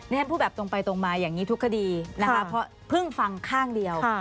ฉันพูดแบบตรงไปตรงมาอย่างนี้ทุกคดีนะคะเพราะเพิ่งฟังข้างเดียว